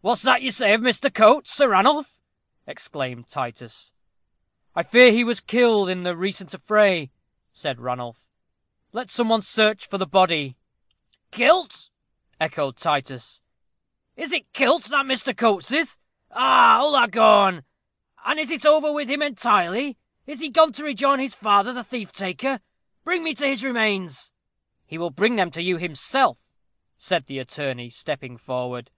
"What's that you say of Mr. Coates, Sir Ranulph?" exclaimed Titus. "I fear he was killed in the recent affray," said Ranulph. "Let some one search for the body." "Kilt!" echoed Titus. "Is it kilt that Mr. Coates is? Ah! ullagone, and is it over with him entirely? Is he gone to rejoin his father, the thief taker? Bring me to his remains." "He will bring them to you himself," said the attorney, stepping forward.